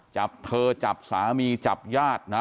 จับเธอจับสามีจับญาตินะ